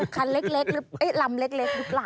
คันเล็กลำเล็กลูกหลัก